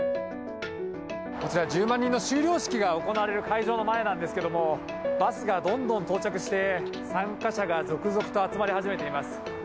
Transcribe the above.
こちら、１０万人の修了式が行われる会場の前なんですけれども、バスがどんどん到着して、参加者が続々と集まり始めています。